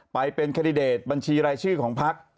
ไปเป็นแคนดิเดตบัญชีรายชื่อของพัก